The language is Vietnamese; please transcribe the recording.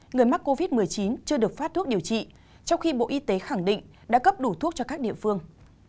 người mắc covid một mươi chín chưa được phát thuốc điều trị trong khi bộ y tế khẳng định đã cấp đủ thuốc cho các địa phương